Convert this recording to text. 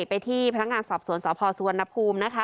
ไปที่พนักงานสอบสวนสพสุวรรณภูมินะคะ